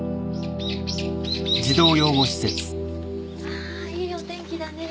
ああいいお天気だねえ。